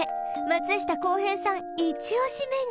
松下洸平さん